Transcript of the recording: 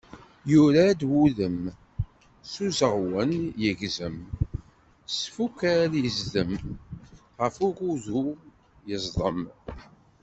Yurad wudem, s useɣwen yegzem, s tfukal yezdem, ɣef ugudi yezḍem.